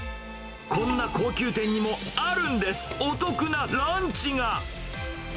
こんな高級店にも、あるんです、お得なランチが。